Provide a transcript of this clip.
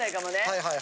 はいはい。